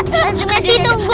tante messi tunggu